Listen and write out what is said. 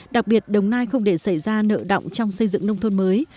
đặc biệt đồng nai không để xảy ra nợ động trong xây dựng nông thôn mới